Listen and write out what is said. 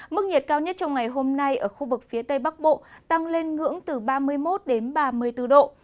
mức nhiệt cao nhất trong ngày hôm nay ở khu vực phía tây bắc bộ tăng lên ngưỡng từ ba mươi một đến ba mươi bốn độ